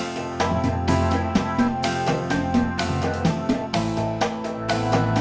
jangan takut sama pe entsprechend